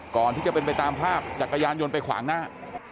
ก่อนที่จะเป็นไปตามภาพจักรยานยนต์ไปขวางหน้า